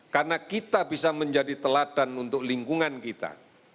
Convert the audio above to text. karena kita bisa menjadi teladan untuk lingkungan kita